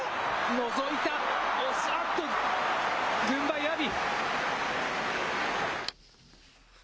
のぞいた、あっと、軍配、阿炎。